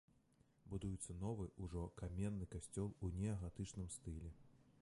Будуецца новы, ужо каменны касцёл у неагатычным стылі.